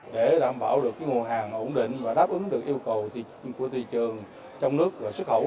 để đảm bảo được nguồn hàng ổn định và đáp ứng được yêu cầu của thị trường trong nước và xuất khẩu